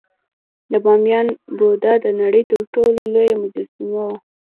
د بامیان بودا د نړۍ تر ټولو لویه مجسمه وه